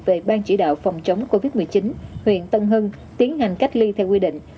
về ban chỉ đạo phòng chống covid một mươi chín huyện tân hưng tiến hành cách ly theo quy định